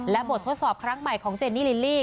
และบททดสอบครั้งใหม่ของเจนนี่ลิลลี่